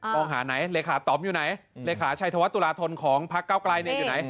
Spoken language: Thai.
มองหาไหนเลขาตอมอยู่ไหนเลขาชัยธวัฒนตุลาธนของพักเก้าไกลเนี่ยอยู่ไหน